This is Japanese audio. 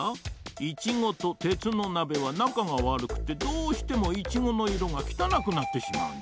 イチゴとてつのなべはなかがわるくてどうしてもイチゴの色がきたなくなってしまうんじゃ。